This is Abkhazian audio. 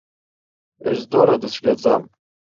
Ездора дыцәгьаӡам.